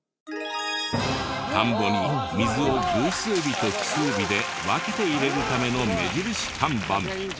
田んぼに水を偶数日と奇数日で分けて入れるための目印看板。